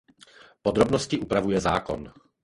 Podrobnosti upravuje zákon.